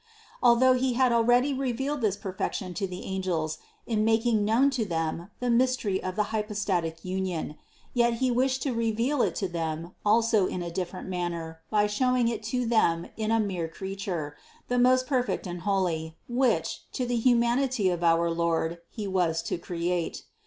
Although He had already revealed this perfection to the angels in making known to them the mystery of the hypostatic union, yet He wished to reveal it to them also in a different manner by showing it to them in a mere Creature, the most perfect and holy which, next to the humanity of our Lord, He was to create.